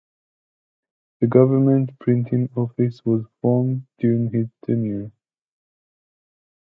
The Government Printing Office was formed during his tenure.